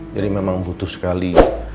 jadi memang butuh sekali